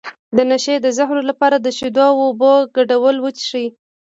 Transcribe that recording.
د نشې د زهرو لپاره د شیدو او اوبو ګډول وڅښئ